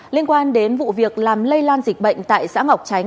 liên quan đến vụ việc làm lây lan dịch bệnh tại xã ngọc chánh